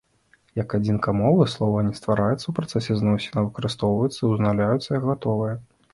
Як адзінка мовы, слова не ствараецца ў працэсе зносін, а выкарыстоўваецца, узнаўляецца як гатовае.